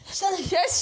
よし！